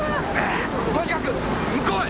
とにかく向こうへ！